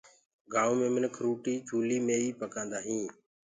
گآئونٚ مي مِنک روٽي چوليٚ مي ئي پڪآندآ هينٚ